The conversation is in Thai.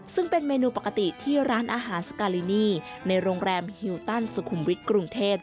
ซึ่งเป็นเมนูปกติที่ร้านอาหารสการินีในโรงแรมฮิวตันสุขุมวิทย์กรุงเทพ